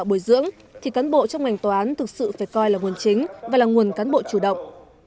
trong bối rưỡng thì cán bộ trong ngành tòa án thực sự phải coi là nguồn chính và là nguồn cán bộ chủ động